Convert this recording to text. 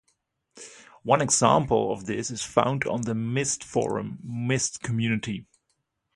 One example of this is found on the Myst forum Mystcommunity.